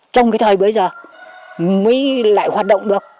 trong cái thời bấy giờ mới lại hoạt động được